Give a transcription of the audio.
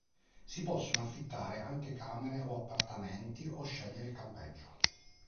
Si possono affittare anche camere o appartamenti o scegliere il campeggio.